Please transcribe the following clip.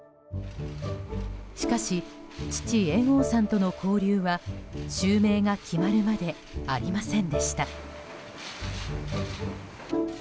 しかし、父・猿翁さんとの交流は襲名が決まるまでありませんでした。